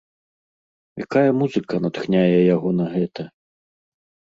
Якая музыка натхняе яго на гэта?